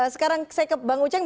sekarang saya ke bang uceng